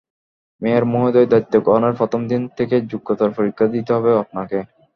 Mayor মহোদয়, দায়িত্ব গ্রহণের প্রথম দিন থেকেই যোগ্যতার পরীক্ষা দিতে হবে আপনাকে।